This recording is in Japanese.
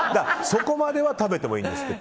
そこまでは食べてもいいんですって。